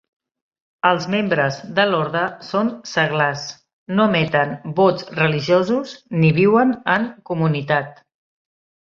Els membres de l'orde són seglars, no emeten vots religiosos ni viuen en comunitat.